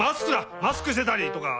マスクしてたりとか。